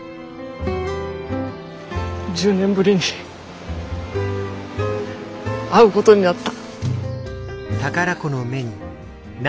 １０年ぶりに会うことになった。